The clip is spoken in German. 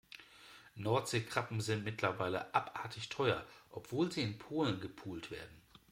Nordseekrabben sind mittlerweile abartig teuer, obwohl sie in Polen gepult werden.